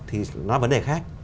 thì nó là vấn đề khác